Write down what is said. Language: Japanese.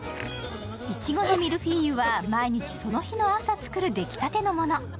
いちごのミルフィーユは毎日その日の朝作るできたてのもの。